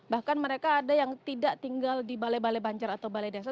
bahkan mereka ada yang tidak tinggal di balai balai banjar atau balai desa